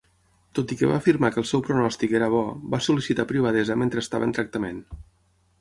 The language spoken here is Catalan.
Tot i que va afirmar que el seu pronòstic era bo, va sol·licitar privadesa mentre estava en tractament.